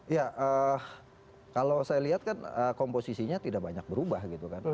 ya kalau saya lihat kan komposisinya tidak banyak berubah gitu kan